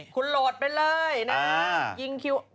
คุณโหลดไปเลยนะครับ